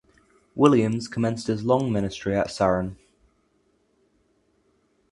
Williams commenced his long ministry at Saron.